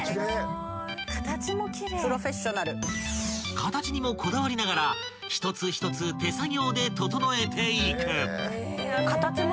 ［形にもこだわりながら一つ一つ手作業で整えていく］